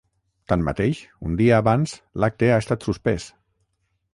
Tanmateix, un dia abans, l’acte ha estat suspès.